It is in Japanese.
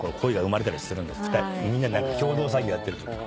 みんなで共同作業やってるとき。